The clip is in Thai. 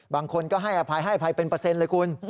บางคนก็ให้อภัยให้อภัยเป็นเปอร์เซ็นต์เลยคุณ